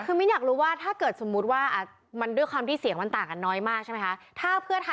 คือมิ้นอยากรู้ว่าถ้าเกิดสมมุติว่ามันด้วยความที่เสียงมันต่างกันน้อยมากใช่ไหมคะ